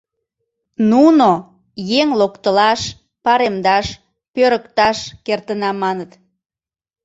Нуно «еҥ локтылаш, паремдаш, пӧрыкташ кертына» маныт.